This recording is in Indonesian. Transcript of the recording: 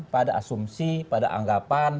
pada asumsi pada anggapan